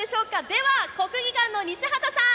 では国技館の西畑さん。